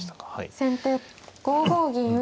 先手５五銀打。